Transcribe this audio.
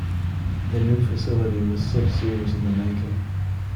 The new facility was six years in the making.